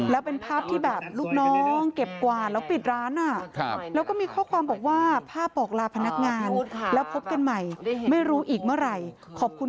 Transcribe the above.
แล้วเป็นภาพที่แบบลูกน้องเก็บกวานแล้วปิดร้าน